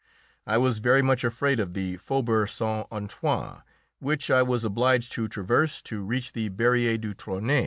I was very much afraid of the Faubourg Saint Antoine, which I was obliged to traverse to reach the Barrière du Trône.